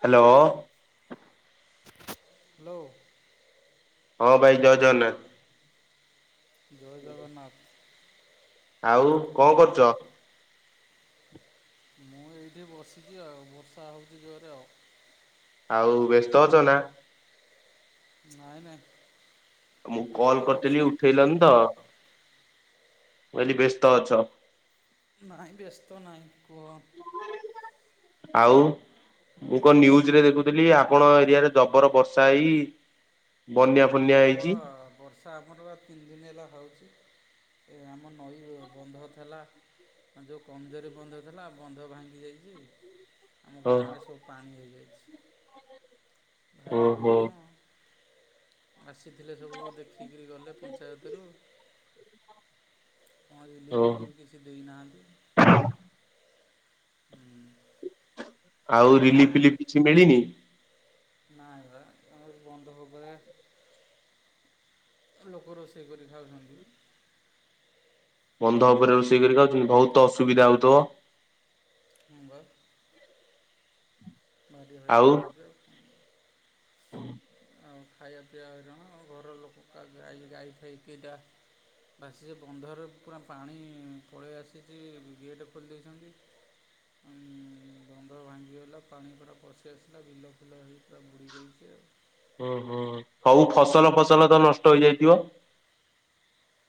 Hello. No. ହଁ ଭାଇ ଜୟ ଜଗନ୍ନାଥ। ଜୟ ଜଗନ୍ନାଥ। ଆଉ କଣ କରୁଛ? ମୁଁ ଏଇଠି ବସିଛି ଆଉ ବର୍ଷା ହଉଛି ଜୋରେ ଆଉ। ଆଉ ବ୍ୟସ୍ତ ଅଛ ନା। ନାଇଁ ନାଇଁ। ମୁଁ ବ୍ୟସ୍ତ କଲ କରିଥିଲି ବର୍ଷାର ଫ୍ରି ଉଠେଇଲନି ତ ଅଛି ମୁଁ କଇଲି ବ୍ୟସ୍ତତ ଅଛ। ନାଇଁ ବ୍ୟସ୍ତ ନହିଁ କୁହ। ଆଉ। ମୁଁ କଣ ନ୍ୟୁଜ ରେ ଦେଖୁଥିଲି ଆପଣ ଏରିଆ ରେ ଜବର ବର୍ଷା ହେଇ ବନ୍ୟା ଫନ୍ୟା ହେଇଛି ପ୍ରବଳ ବର୍ଷା ଆମର ବା ତିନି ଦିନ ହେଲା ହଉଛି। ଏ ଆମ ନଈ ବନ୍ଧ ଥିଲା। ଆ ଯୋଉ କମଜୋର ବନ୍ଧ ଥିଲା ବନ୍ଧ ଭାଙ୍ଗି ଯାଇଛି। ଆମ ହଁ ଗାଁ ରେ ସବୁ ପାଣି ହେଇଯାଇଛି। ଭାଇ ଯୋଉ ଓହୋ ହଇରାଣ। ଆସିଥିଲେ ସବୁ ଦେଖିକରି ଗଲେ ପଞ୍ଚାୟତରୁ। କଣ ରିଲିଫ ଓହୋ ଫିଲିଫ କିଛି ଦେଇନାହାନ୍ତି। ହୁଁ ଆଉ ରିଲିଫି ଫିଲିଫି କିଛି ମିଳିନି? ନାଇଁ ଆମର ବନ୍ଧ ହବରେ [inaudible] ଲୋକ ରୋଷେଇ କରି ଖାଉଛନ୍ତି। ବନ୍ଧ ଉପରେ ରୋଷେଇ କରି ଖାଉଛନ୍ତି ବହୁତ ଅସୁବିଧା ହଉଥିବ। ନବା ଭାରି ହଇରାଣ ହେଉଛେ ଆଉ। ହୁଁ ଆଉ ଖାଇବା ପିଇବା ହଇରାଣ ଘର ଲୋକଙ୍କ ଗାଈ ଫାଇ କେଟା। ବାସ ସେ ବନ୍ଧର ପୁରା ପାଣି ପଳେଇ ଆସିଛି ଗେଟ୍ ଖୋଲି ଦେଇେଇଛନ୍ତି। ଉଁ ବନ୍ଧ ଭାଙ୍ଗଗଲା। ପାଣି ପୁରା ପଶି ଆସିଲା ବିଲ ଫିଲ ହେଇ ପୁରା ବୁଡ଼ିଯାଇଛି ଆଉ। ଓ ହଁ ହଉ ଫସଲ ଫସଲ ତ ନଷ୍ଟ ହେଇଯାଇଥିବ?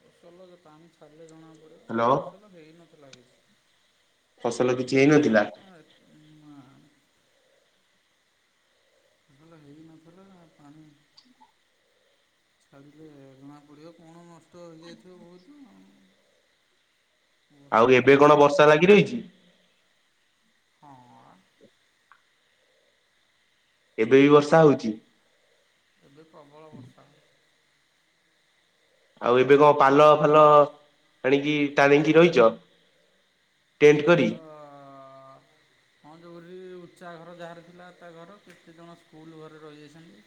ଫସଲ ତ ତାମେ ଛଡ଼ିଲେ ଜଣା ପଡିବ ହ୍ୟାଲୋ ଫସଲ ହେଇନଥିଲା କିଛି। ଫସଲ କିଛି ହେଇନଥିଲା ଫସଲ କ ଉ ମା ଭଲ ହେଇ ନଥିଲା ପାଣି। ଛାଡ଼ିଲେ ଜଣା ପଡିବ କଣ ନଷ୍ଟ ହେଇଯାଇଥିବ ବହୁତୁ। ଆଉ ଏବେ ପବନ କଣ ବର୍ଷା ଯେମିତି ଲାଗି ରହିଛି? ହଁ ଅ ରା ଏବେ ବି ବର୍ଷା ହଉଛି। ଏବେ ପ୍ରବଳ ବର୍ଷା। ଆଉ ଏବେ କଣ ପାଲ ଫାଲ ଆଣିକି ଟାଣିକି ରହିଛ? ଟେଣ୍ଟ କରି ପାଲା ହ ଯୋରି ଉ ଚା ଘର ଯାହାର ଥିଲା ତା ଘର କେତେ ଜଣ ସ୍କୁଲ ଘରେ ରହିଯାଇଛନ୍ତି।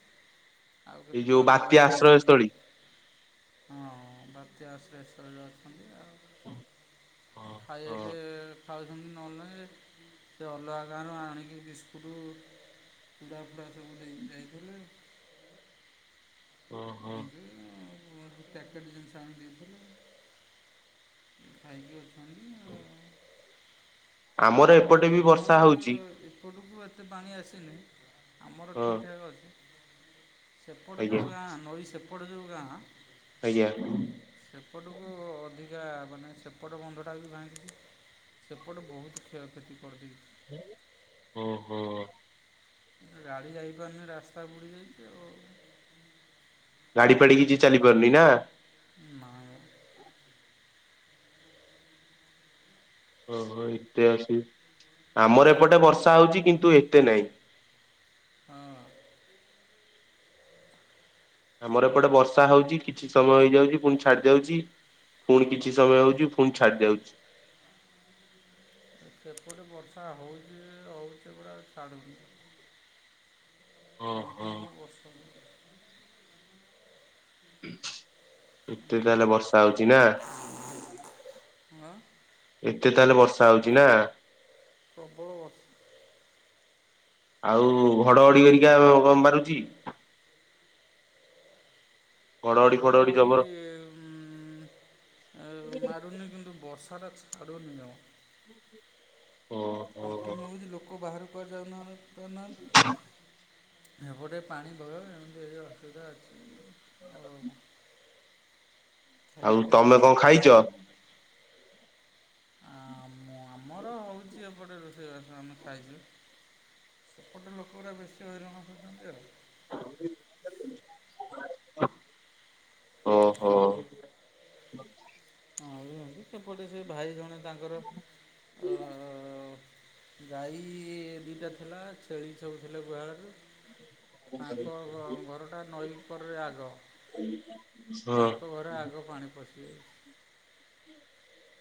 ଆଉ ଏଇ କେତେ ଯୋଉ ପାଲ ବାତ୍ୟା ଟାଣିକି ଆଶ୍ରୟସ୍ଥଳୀ। ହଁ ବାତ୍ୟା ଆସ ପ୍ରେସର୍ ରେ ଅଛନ୍ତି ଆଉ ଖାଇଆ କେ ଖାଉଛନ୍ତି ନହେଲେ ଯେ ସେ ଅଲଗା ଗାଁରୁ ଆଣିକି ବିସ୍କୁଟୁ। ଫ [unintelligible] ହୁଁ ହୁଁ। ମ ପ୍ୟାକେଟ୍ ଜିନିଷ ଆଣି ଦେଇଥିଲୁ ଖାଇକି ଅଛନ୍ତି। ହୁଁ ଆଉ ଆମର ଏପଟେ ବି ବର୍ଷା ହଉଛି। ସୁ ଏତେ ପାଣି ଆସିନି ଆମର ହଁ ଠିକଠାକ୍ ଅଛି। ସେପଟେ ଯଉ ଆଜ୍ଞା ଗାଁ ନଈ ସେପଟେ ଯୋଉ ଗାଁ। ଆଜ୍ଞା। ସେପଟକୁ ଅଧିକ ଅଇକା ମାନେ ସେପଟ ବନ୍ଧଟା ବି ଭାଙ୍ଗିଛି। ସେପଟେ ବହୁତ କ୍ଷୟକ୍ଷତି କରିଦେଇଛି ‌। ଓ ହୋ। ଗାଡି ଯାଇପାରୁନି, ରାସ୍ତା ବୁଡି ଯାଇଛି ଆଉ ଗାଡି ଫାଡି କିଛି ଚାଲି ପାରୁନି ନା। ନାଇଁ ବା। ଓ ହଁ ଇତିହାସି। ଆମର ଏପଟେ ବର୍ଷା ହଉଛି କିନ୍ତୁ ଏତେ ନାହିଁ। ହଁ। ଆମର ଏପଟେ ବର୍ଷା ହଉଛି, କିଛି ସମୟ ହେଇଯାଉଛି ପୁଣି ଛାଡି ଯାଉଛି। ଫୁଣି କିଛି ସମୟ ହଉଛି ପୁଣି ଛାଡିଯାଉଛି। ସେପଟେ ବର୍ଷା ହଉଛି। ହଉଛି ପୁରା ଛାଡ଼ୁନି। କଣ୍ଟିନ୍ୟୁ ବର୍ଷା ଏତେ ତାହେଲେ ବର୍ଷା ହଉଚି ନା। ହଁ ଏତେ ତାହେଲେ ବର୍ଷା ହଉଛି ନା। ପ୍ରବଳ ବର୍ଷା। ଆଉ ଘଡଘଡି ଘେରିକା ଅଃ କଣ ମାରୁଛି? ଫଡଘଡି ଘଡଘଡି ଜବର ଉଁ ଉଁ ମାରୁନି କିନ୍ତୁ ବର୍ଷା ବର୍ଷାଟା ଛାଡୁନି ଜମା। [inaudible] ଓହୋ କଣ୍ଟିନ୍ୟୁ ହଉଛି। ଲୋକ ବାହାରୁକୁ କୁଆଡେ ଯାଉନାହା ପାରୁନା ଏପଟେ ପାଣି ଭୟ ଏମିତି ଏଇ ଅସୁବିଧା ଅଛି। ଆଉ [unintelligible] ଆଉ ଖାଇବା ପିଇବା ତମେ କଣ କିଛି ଖାଇଛ ହେଇପାରୁନି ନା। [unintelligible] ଆମ-ଆମର ହଉଛି ଏପଟେ ରୋଷେଇବାସ ଆମେ ଖାଇଛୁ। ସେପଟେ ଲୋକଗୁରା ବେଶୀ ହଇରାଣ ହଉଛନ୍ତି ଆଉ। [unintelligible] ଓହୋ। ଆଉ ଏମିତି ସେପଟେ ସେ ଭାଇ ଜଣେ ତାଙ୍କର ଅଃ ଗାଈ ଦିଟା ଥିଲା, ଛେଳି ସବୁ ଥିଲେ ଗୁହାଳରେ ତାଙ୍କ ଘ-ଘରଟା ନଈ ଉପରେ ଆଗ। ହଁ ତାଙ୍କ ଘରେ ଆଗ ପାଣି ପଶିଯାଇ [unintelligible]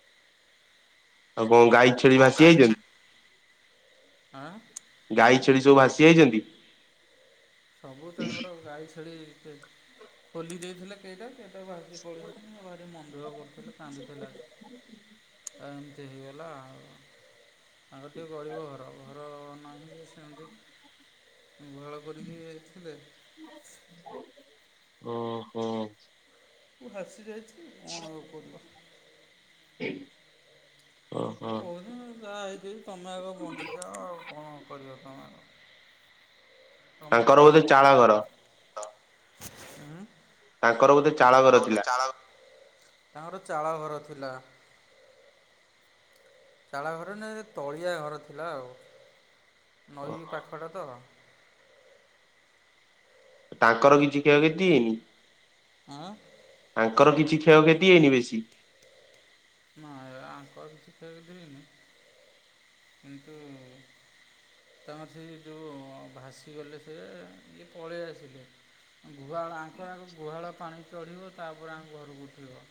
ଆଉ କଣ ଗାଈ ଛେଳି କଣ ଭାସି ଗାଈ ଛେ ଯାଇଛନ୍ତି? ଆଁ? ଗାଈ ଛେଳି ସବୁ ଭାସି ଯାଇଛନ୍ତି। ସବୁ ତାଙ୍କର ଗାଈ ଛେଳି ପେ ଖୋଲି ଦେଇଥିଲେ କେଇଟା ସେ [unintelligible] ଭାସିକି ପଳେଇଚନ୍ତି। ଭାରି ମନ ଦୁଃଖ କରୁଥିଲେ, କାନ୍ଦୁଥିଲା। ଆ ଏମିତି ହେଇଗଲା ଆଉ। ତାଙ୍କର ଟିକେ ଗରିବ ଘର। ଘର ମାନେ ସେମିତି ଗୁହାଳ କରିକି ଥିଲେ। ଓହୋ। [unintelligible] ଭାସି ଯାଇଛି। କଣ ଆଉ କରିବ [unintelligible] ମୁଁ ଓହୋ କହୁନି [unintelligible] ଯାହା ହେଇଚି ହେଇଚି ତମେ ଆଗ ବଞ୍ଚିଥାଅ ଆଉ କଣ କରିବ ତମେ ଆଉ। ତାଙ୍କର ତମର ଆଉ ବୋଧେ ଚାଳ କଣ ଘର [unintelligible] ଉଁ। ତାଙ୍କର ବୋଧେ ତ ଚାଳଘର ବୋଧେ ଥିଲା? ଚାଳ ତାଙ୍କର ଚାଳଘର ଥିଲା। ଚାଳଘର ନା ସେ ତଳିଆ ଘର ଥିଲା ଆଉ। ନଈ ପାଖଟା ତ। ତାଙ୍କର କିଛି କ୍ଷୟ କ୍ଷତି ହେଇନି? ଆଁ? ତାଙ୍କର କିଛି କ୍ଷୟ କ୍ଷତି ହେଇନି ବେଶୀ? ନାଇ ବା ଆଙ୍କର କିଛି କ୍ଷୟ କ୍ଷତି ହେଇନି। କିନ୍ତୁ ତାଙ୍କର ସେଇ ଯୋଉ ଭାସିଗଲେ ସେ। ଇଏ ପଳେଇ ଆସିଲେ। ଗୁହାଳ ଆଙ୍କର ଆଗ ଗୁହାଳ ପାଣି ଚଢ଼ିବ ତାପରେ ଆଙ୍କ ଘରୁକୁ ଉଠିବ।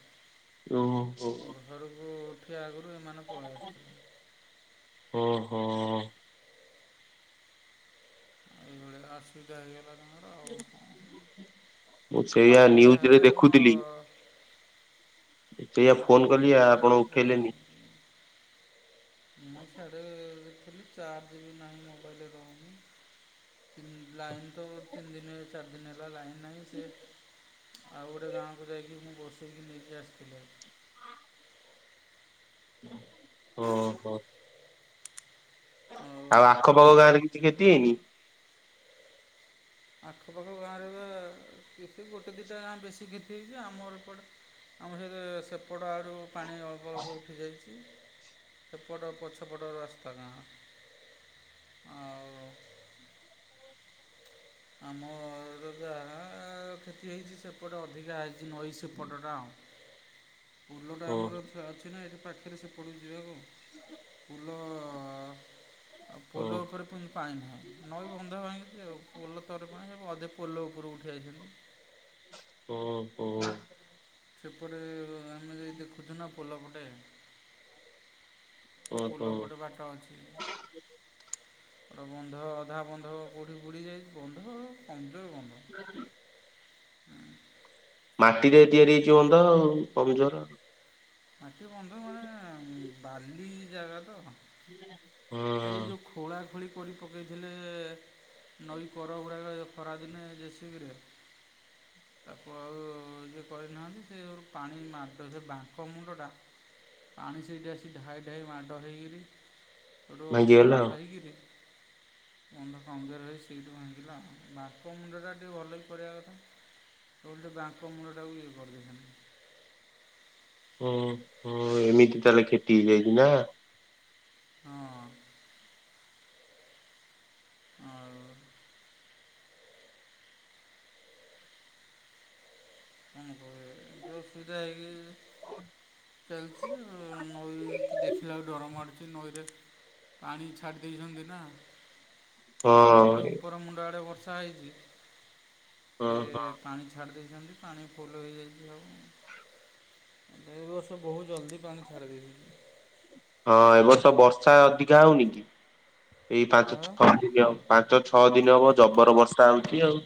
ଓହୋ ଆଙ୍କ ଘରୁକୁ ଉଠିଆ ଆଗୁରୁ ଏମାନେ ପଳେଇ ଆସିଥିଲେ। ଓହୋ। ଆଉ ଏଇଭଳିଆ ଅସୁବିଧା ହେଇଗଲା ତାଙ୍କର ଆଉ କଣ କରିବା। [unintelligible] ମୁଁ ସେଇଆ ବନ୍ୟା ନ୍ୟୁଜରେ ହେଲେ କଣ ଦେଖୁଥିଲି ସେଇଆ ଏଠି ଫୋନ କଲି ନ୍ୟୁଜ୍ ବାଲା ଆ-ଆପଣ ସବୁ ଉଠେଇଲେନି। ନାଇଁ ସାଡେ ଥେଲି। ଚାର୍ଜ ବି ନାହିଁ ମୋବାଇଲରେ ରହୁନି। ତିନ୍ ଲାଇନ ତ ତିନ୍ ଦିନି ଚାର ଦିନି ହେଲା ଲାଇନ ନାହିଁ ସେ ଆଉ ଗୋଟେ ଗାଁକୁ ଯାଇକି ମୁଁ ବସେଇକି ନେଇକି ଆସିଥିଲି। ଓହୋ। ଆଉ ଆଖପାଖ ଗାଁରେ କିଛି କ୍ଷତି ହେଇନି? ଆଖପାଖ ଗାଁ ରେ ବା ଏତେ ଗୋଟେ ଦିଟା ଗାଁ ବେଶୀ କ୍ଷତି ହେଇଚି ଆମର ଏପଟେ ଆମ ସହିତ ସେପଟ ଆଡୁ ପାଣି ଅଳ୍ପ ଅଳ୍ପ ଉଠିଯାଇଚି। ଏପଟ ପଛପଟ ରାସ୍ତା ଗାଁ। ଆଉ ହ ଆମର ଯାହା କ୍ଷତି ହେଇଚି ସେପଟେ ଅଧିକା ହେଇଚି। ନଈ ସେପଟ ଟା ଆଉ। ପୁଲଟା ଓହୋ ଆମର ଏଠି ଅଛି ନା ଏଠି ପାଖରେ ସେପଡ଼କୁ ଯିବାକୁ ପୁଲ ହୋ ପୋଲ ଉପରେ ପୁଣି ପାଣି ନାହିଁ ନଈ ବନ୍ଧ ଭାଙ୍ଗିଚି ଆଉ। ପୋଲ ଅଧେ ପୋଲ ଉପରୁକୁ ଉଠି ଆଇଛନ୍ତି? ଓ ହୋ। ସେପଟେ ଆମେ ଯାଇ ଦେଖୁଚୁ ନା ପୋଲପଟେ। ଓ ହୋ। ପୋଲପଟେ ବାଟ ଅଛି। ଗୋଟ ବନ୍ଧ ଅଧା ବନ୍ଧ କୋଉଠି ବୁଡି ଯାଇଚି ବନ୍ଧ କମ୍। [unintelligible] ହଁ ମାଟିରେ ତିଆରି ହେଇଚି ବନ୍ଧ ଆଉ କମଜୋର। ମାଟି ବନ୍ଧ ମାନେ ବାଲି ଜାଗା ତ। ଏଇ ଯୋଉ ଖୋଳା ଖୋଳି କୋରି ପକେଇଥିଲେ ନଈ କରଗୁରାକ ଏ ଖରାଦିନେ ଜେସିବିରେ। ତାକୁ ଆଉ ଇଏ କରିନାହାନ୍ତି ସେ ପାଣି ମାଡ ସେ ବାଙ୍କ ମୁଣ୍ଡ ଟା। ପାଣି ସେଇଠି ଆସି ଢାଇ ଢାଇ ମାଡ଼ ହେଇକିରି ସେଠୁ ଭାଙ୍ଗିଗଲା ଅତରା ଖାଇକିରି ମୁଣ୍ଡ କମଜୋର ହେଇ ସିଟ୍ ଭାଙ୍ଗିଲା। ବାପ ମୁଣ୍ଡଟା ଟିକେ ଭଲକି କରିବା କଥା। ଓଲଟେ ବାଙ୍କ ମୂଳ ଟାକୁ ଇଏ କରିଦେଇଥାନ୍ତ। ହୁଁ ହୁଁ ଏମିତି ତାହେଲେ କ୍ଷତି ହେଇଯାଇଚି ନା। ହଁ ଅ। ଆ। କଣ କରିବ ଯେ ଅସୁବିଧା ହେଇକି ଚାଲିଚି ଆଉ ନଈକି ଦେଖିଲାରୁ ଡରମାଡୁଛି। ସେ ନଈରେ ପାଣି ଛାଡ଼ି ଦେଇଛନ୍ତି ନା। ସେପଟେ ହଁ ବୋଧେ ଉପର ମୁଣ୍ଡ ଆଡେ ବର୍ଷା ହେଇଚି ସେ ପାଣି ଛାଡି ଦେଇଚି। ଜାଣିଚୁ ପାଣି ଫୁଲ ହେଇ ଯାଇଚି ଆଉ। ଏ ବର୍ଷ ବହୁତ ଜଲଦି ପାଣି ଛାଡ଼ି ଦେଇଛନ୍ତି। ହଁ ଏବର୍ଷ ବର୍ଷା ଅଧିକା ହଉନି କି ଏଇ ପାଞ୍ଚ ହଁ ଛଅ ଦିନ ହବ ପାଞ୍ଚ ଛ ଛଅ ଦିନ ହବ ଜବର ବର୍ଷା ହଉଚି ଆଉ।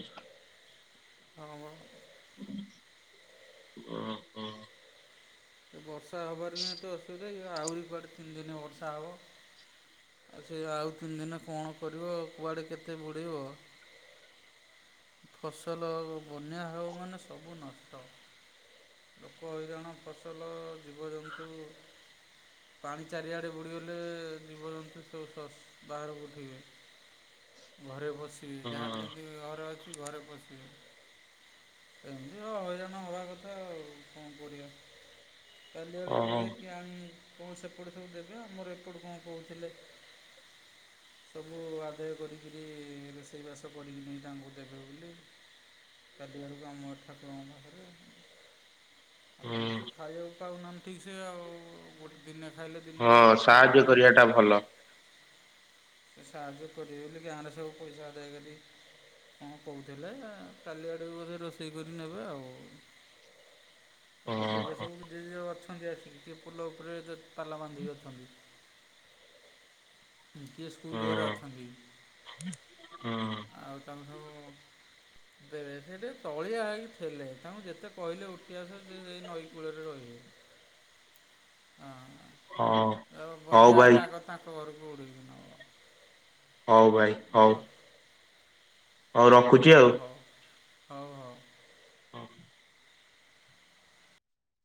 ହଁ ବା। ହୁଁ ହଁ ହଁ। ଏ ବର୍ଷା ହବାର ନାହିଁ ତ ଅସୁବିଧା ଇଏ ଆଉରି କୁଆଡେ ତିନି ଦିନ ବର୍ଷା ହବ। ଆଚ୍ଛା ଇଏ ଆଉ ତିନି ଦିନରେ କଣ କରିବ କୁଆଡ଼େ କେତେ ବୁଡ଼େଇବ। ଫସଲ ହବ ବନ୍ୟା ହେବମାନେ ସବୁ ନଷ୍ଟ। ଲୋକ ହଇରାଣ, ଫସଲ, ଜୀବଜନ୍ତୁ ପାଣି ଚାରିଆଡ଼େ ବୁଡ଼ିଗଲେ ଜୀବଜନ୍ତୁ ସୋସର୍ସ ବାହାରକୁ ଉଠିବେ। ଘରେ ବସିକି ଯାହାର ଯେମିତି ଘର ଅଛି ଘରେ ବସିକି ଏମତି ହଁ ହଇରାଣ ହବା କଥା ଆଉ କଣ କରିବା? କାଲି ଆଡ଼ୁକୁ ବୋଧେ କିଏ ଆଣି ତମକୁ ସେପଟୁ ସବୁ ଦେବେ ଆମର ଏପଟୁ କଣ କହୁଥିଲେ ସବୁ ଆଦାୟ କରିକିରି ରୋଷେଇ ବାସ କରିକିନି ତାଙ୍କୁ ଦେବେ ବୋଲି କାଲି ଆଡ଼ୁକୁ ଆମ ଠାକୁରଙ୍କ ପାଖରେ ଆଉ ସେ ଖାଇବାକୁ ପାଉନାହାନ୍ତି ଠିକ ସେ ଆଉ ଗୋଟେ ଦିନେ ଖାଇଲେ ଦିନେ [unintelligible] ହଁ ଉପାସ ସାହାଯ୍ୟ କରିବା ରହୁଛନ୍ତି। ଟା ଭଲ। ସେ ସାହାଯ୍ୟ କରିବେ ବୋଲି ଗାଁରେ ସବୁ ପଇସା ଆଦାୟ କରି କଣ କହୁଥିଲେ କାଲି ଆଡ଼େକୁ ବୋଧେ ରୋଷେଇ କରି ନେବେ ଆଉ ତାଙ୍କୁ ଦେବେ ସବୁ ଯ ଯ ଆସିକି ସେ ପୁଲ ଉପରେ ତାଲା ବାନ୍ଧିକି ଅଛନ୍ତି। କିଏ ସ୍କୁଲ ଘରେ ଅଛନ୍ତି ଆଉ ତମେ ସବୁ [inaudible] [unintelligible] ସେଟେ ତଳିଆ ହେଇକି ଥିଲେ, ତାଙ୍କୁ ଯେତେ କହିଲେ ଉଠି ଆସ ସେଇ ନଈ କୂଳରେ ରହିବେ। [inaudible] ହଁ ହଉ ବନ୍ୟା ଭାଇ ଆଇଲେ ଆଗ ତାଙ୍କ ଘରକୁ ଉଡ଼େଇକି ନବ। ହଉ ଭାଇ ଓ ହଉ ହଉ ରଖୁଛି ହଉ ଆଉ। ହଉ ହଉ ହଉ